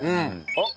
あっ！